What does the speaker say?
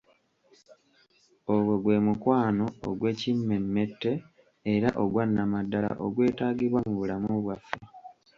Ogwo gwe mukwano ogwekimmemmette era ogwa Nnamaddala ogwetaagibwa mu bulamu bwaffe.